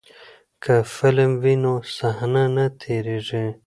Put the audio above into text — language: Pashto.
که فلم وي نو صحنه نه تیریږي.